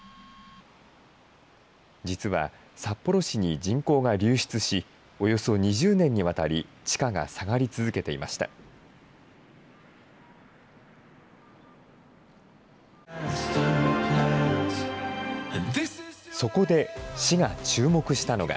実は札幌市に人口が流出し、およそ２０年にわたり地価が下がり続けていました。